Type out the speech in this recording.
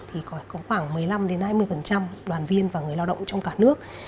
thì có khoảng một mươi năm hai mươi đoàn viên và người lao động trong cả nước